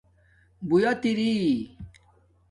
ُُبوُیت اری